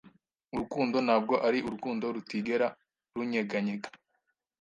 Urukundo ntabwo ari urukundo rutigera runyeganyega,